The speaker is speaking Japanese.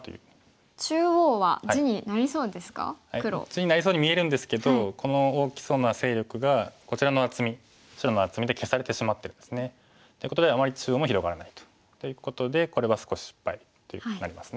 地になりそうに見えるんですけどこの大きそうな勢力がこちらの厚み白の厚みで消されてしまってるんですね。っていうことであまり中央も広がらないと。ということでこれは少し失敗ということになります。